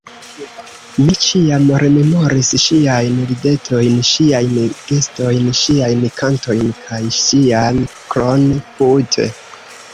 Mi ĉiam rememoris ŝiajn ridetojn, ŝiajn gestojn, ŝiajn kantojn kaj ŝian kron-put.